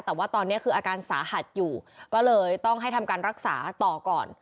แต่ว่าตอนนี้คืออาการสาหัสอยู่ก็เลยต้องให้ทำการรักษาต่อก่อน